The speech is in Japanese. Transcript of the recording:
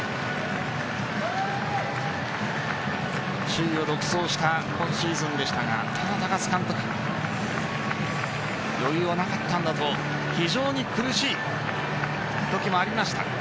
首位を独走した今シーズンでしたがただ、高津監督余裕はなかったんだと非常に苦しいときもありました。